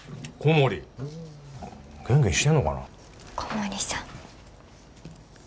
小森さん。